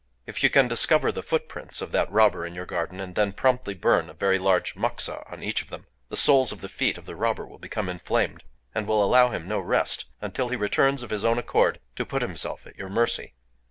If you can discover the footprints of that robber in your garden, and then promptly burn a very large moxa on each of them, the soles of the feet of the robber will become inflamed, and will allow him no rest until he returns, of his own accord, to put himself at your mercy.